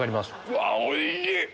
うわおいしい！